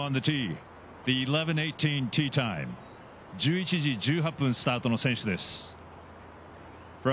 １１時１８分スタートの選手です。